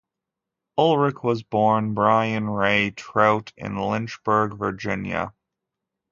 Ulrich was born Bryan Ray Trout in Lynchburg, Virginia.